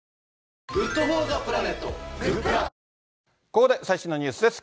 ここで最新のニュースです。